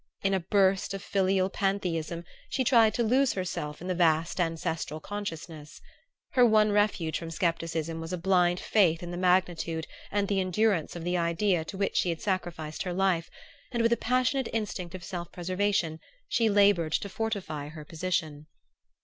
In a burst of filial pantheism she tried to lose herself in the vast ancestral consciousness. Her one refuge from scepticism was a blind faith in the magnitude and the endurance of the idea to which she had sacrificed her life, and with a passionate instinct of self preservation she labored to fortify her position.